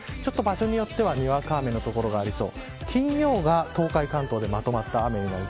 場所によってはにわか雨の所がありそう。